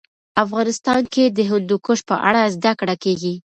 افغانستان کې د هندوکش په اړه زده کړه کېږي.